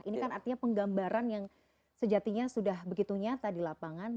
ini kan artinya penggambaran yang sejatinya sudah begitu nyata di lapangan